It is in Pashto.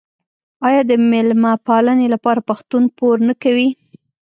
آیا د میلمه پالنې لپاره پښتون پور نه کوي؟